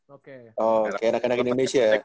oh kayak rakan rakan indonesia ya